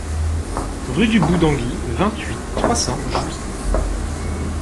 Rue du Bout d'Anguy, vingt-huit, trois cents Jouy